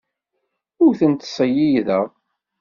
Ur ten-ttṣeyyideɣ.